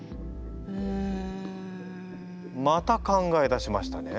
うん。また考え出しましたね。